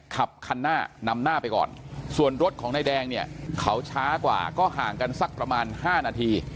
ขับคันหน้านำหน้าไปก่อนส่วนรถของนายแดงเนี่ยเขาช้ากว่าก็ห่างกันสักประมาณ๕นาที